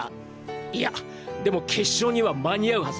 いやでも決勝には間に合うはずだ。